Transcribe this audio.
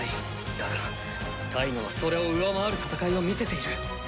だがタイガはそれを上回る戦いを見せている。